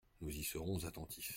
Nous y serons attentifs.